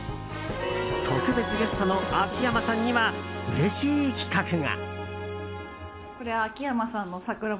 特別ゲストの秋山さんにはうれしい企画が。